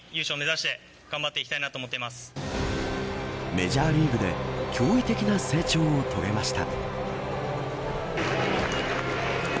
メジャーリーグで驚異的な成長を遂げました。